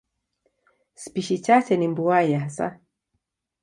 Spishi chache ni mbuai hasa.